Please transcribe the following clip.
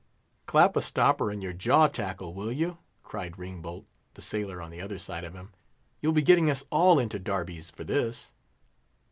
"Clap a stopper on your jaw tackle, will you?" cried Ringbolt, the sailor on the other side of him. "You'll be getting us all into darbies for this."